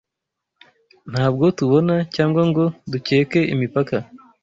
Ntabwo tubona cyangwa ngo dukeke imipaka